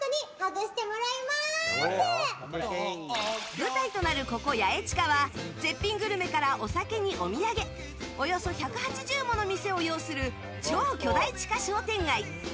舞台となる、ここヤエチカは絶品グルメから、お酒にお土産およそ１８０もの店を擁する超巨大地下商店街。